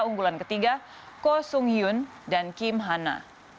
unggulan ketiga ko sung hyun dan kim hana